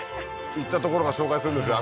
行った所が紹介するんですよ